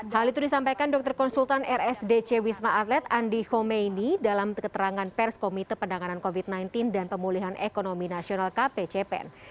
hal itu disampaikan dokter konsultan rsdc wisma atlet andi komeini dalam keterangan pers komite penanganan covid sembilan belas dan pemulihan ekonomi nasional kpcpen